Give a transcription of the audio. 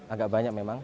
agak banyak memang